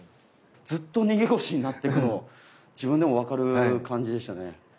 ずっと逃げ腰になってるの自分でも分かる感じでしたね。